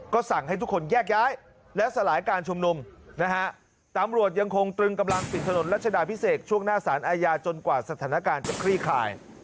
ก็สั่งให้ทุกคนแยกย้ายและสลายการชุมนุมนะฮะตำรวจยังคงตรึงกำลังปิดถนนรัชดาพิเศษช่วงหน้าสารอาญาจนกว่าสถานการณ์จะคลี่คลาย